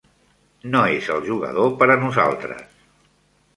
No és el jugador per a nosaltres.